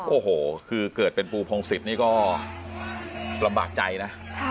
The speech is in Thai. โอ้โหคือเกิดเป็นปูพงศิษย์นี่ก็ลำบากใจนะ